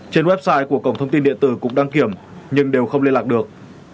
trên website của cổng thông tin điện tử cục đăng kiểm nhưng đều không liên lạc được